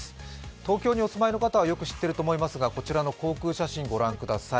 東京にお住まいの方はよく知っていると思いますが、こちらの航空写真をご覧ください。